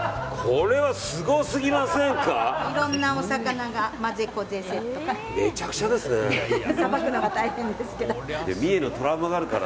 これはすごすぎませんか？